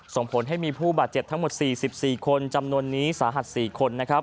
ส่งผลให้มีผู้บาดเจ็บทั้งหมด๔๔คนจำนวนนี้สาหัส๔คน